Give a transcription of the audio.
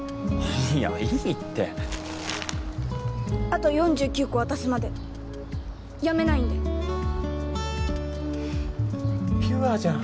いやいいってあと４９個渡すまでやめないんでピュアじゃん。